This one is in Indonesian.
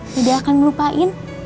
dede bakal ngelupain asobri